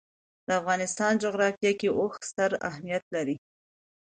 د افغانستان جغرافیه کې اوښ ستر اهمیت لري.